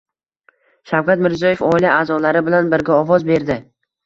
Shavkat Mirziyoyev oila a’zolari bilan birga ovoz berdi